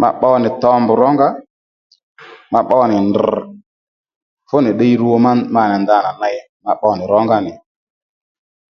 Mà pbo nì towmbù rónga mà pbo nì drr̀ fúnì ddiy rwo má ma nì ndanà ney ma pbo nì rǒnga nì